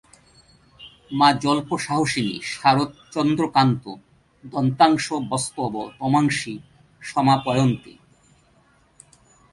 মা জল্প সাহসিনি শারদচন্দ্রকান্ত- দন্তাংশবস্তব তমাংসি সমাপয়ন্তি।